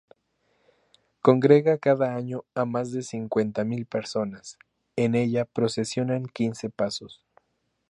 Congrega cada año a más de cincuenta mil personas, en ella procesionan quince pasos.